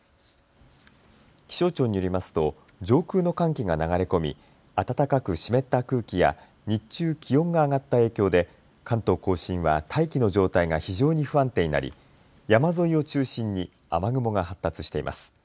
気象庁によりますと上空の寒気が流れ込み暖かく湿った空気や日中、気温が上がった影響で関東甲信は大気の状態が非常に不安定になり山沿いを中心に雨雲が発達しています。